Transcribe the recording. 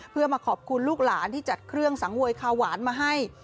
เพื่อมาขอบคุณลูกหลานที่จัดเครื่องสังเวยคาหวานมาให้